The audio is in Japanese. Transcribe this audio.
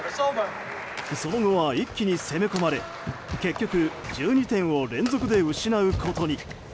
その後は一気に攻め込まれ結局１２点を連続で失うことに。